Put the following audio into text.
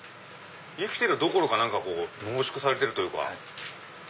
生きてるどころか濃縮されてるというか。